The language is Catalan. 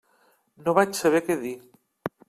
No vaig saber què dir.